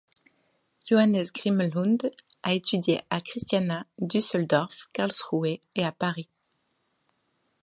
Johannes Grimelund a étudié à Kristiania, Düsseldorf, Karlsruhe et à Paris.